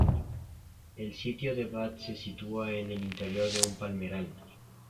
El sitio de Bat se sitúa en el interior de un palmeral.